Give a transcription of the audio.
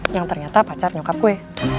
yang ternyata pacar nyokap kue